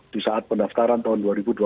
pada pendaftaran tahun dua ribu dua puluh tiga